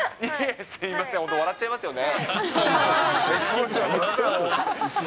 すみません、本当笑っちゃいますよね。